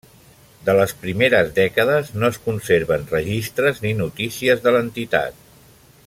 De les primeres dècades no es conserven registres ni notícies de l'entitat.